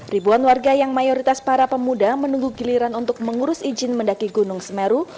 ribuan warga yang mayoritas para pemuda menunggu giliran untuk mengurus izin mendaki gunung semeru